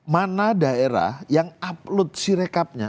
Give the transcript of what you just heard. mana daerah yang upload si rekapnya